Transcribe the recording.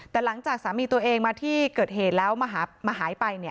แต่หลังจากสามีตัวเองมาที่เกิดเหตุแล้วมาหายไป